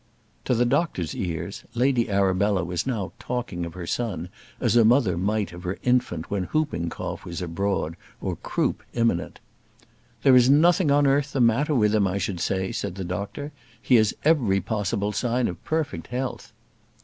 To the doctor's ears, Lady Arabella was now talking of her son as a mother might of her infant when whooping cough was abroad or croup imminent. "There is nothing on earth the matter with him, I should say," said the doctor. "He has every possible sign of perfect health."